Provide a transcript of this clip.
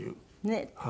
ねえ。